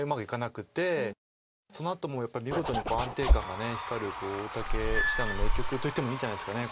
そのあともやっぱり見事に安定感が光る大竹七段の名局と言ってもいいんじゃないですか